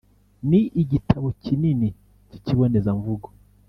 ni igitabo kinini k’ikibonezamvugo